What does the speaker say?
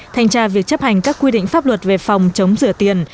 thanh tra việc chấp hành các quy định pháp luật về phòng chống rửa tiền